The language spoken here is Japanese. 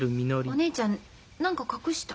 お姉ちゃん何か隠した？